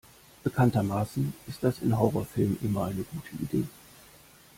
Bekanntermaßen ist das in Horrorfilmen immer eine gute Idee.